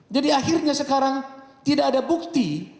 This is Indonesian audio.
jadi akhirnya sekarang tidak ada bukti